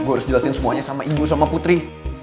gue harus jelasin semuanya sama ibu sama putri